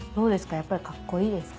やっぱりかっこいいですか？